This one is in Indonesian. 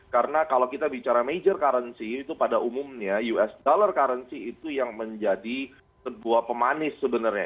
karena kalau kita bicara major currency itu pada umumnya us dollar currency itu yang menjadi sebuah pemanis sebenarnya